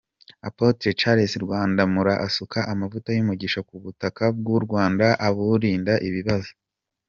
Apotre Charles Rwandamura asuka amavuta y’umugisha kubutaka bw’u Rwanda aburinda ibibazo.